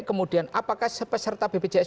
kemudian apakah peserta bbcs